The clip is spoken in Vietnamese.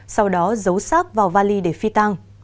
sau đó giấu sát vào vali để phi tang